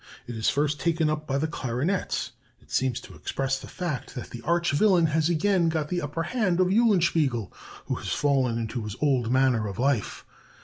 It is first taken up by the clarinets; it seems to express the fact that the arch villain has again got the upper hand of Eulenspiegel, who has fallen into his old manner of life....